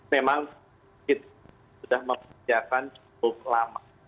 memang itu sudah memperbaikkan cukup lama